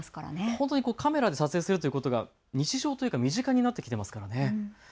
本当にカメラで撮影するということが日常というか身近になってきていますからね。